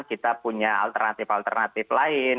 kita punya alternatif alternatif lain